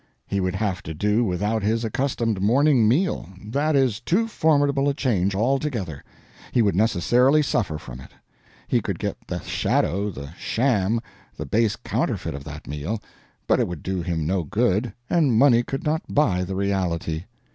He would have to do without his accustomed morning meal. That is too formidable a change altogether; he would necessarily suffer from it. He could get the shadow, the sham, the base counterfeit of that meal; but it would do him no good, and money could not buy the reality.